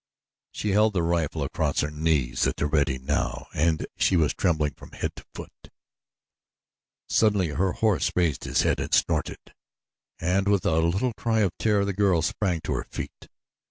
She held the rifle across her knees at the ready now and she was trembling from head to foot. Suddenly her horse raised his head and snorted, and with a little cry of terror the girl sprang to her feet.